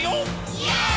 イエーイ！！